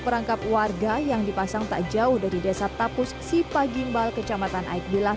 perangkap warga yang dipasang tak jauh dari desa tapus sipagimbal kecamatan aikbilah